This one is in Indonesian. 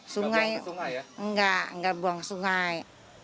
sungai enggak enggak buang sungai